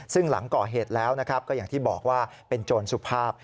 ซึ่งหลังก่อเหตุแล้วนะครับก็อย่างที่บอกว่าเป็นโจรสุภาพ